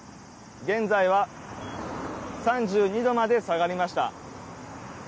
現在は３２度まで下がりました。